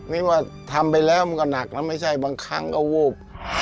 นี่ว่าทำไปแล้วมันก็หนักแล้วไม่ใช่บางครั้งก็วูบ